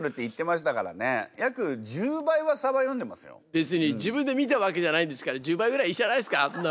別に自分で見たわけじゃないんですから１０倍ぐらいいいじゃないですかあんな。